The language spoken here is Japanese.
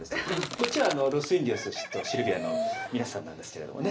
こっちはロス・インディオス＆シルヴィアの皆さんなんですけれどもね。